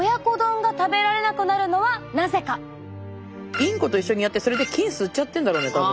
インコと一緒にやってそれで菌吸っちゃってんだろうね多分。